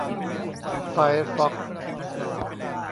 ไฟร์ฟอกซ์